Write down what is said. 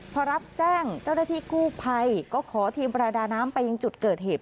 พอรับแจ้งเจ้าหน้าที่กู้ภัยก็ขอทีมประดาน้ำไปยังจุดเกิดเหตุ